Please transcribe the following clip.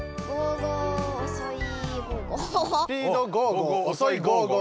スピードゴーゴーおそいゴーゴー。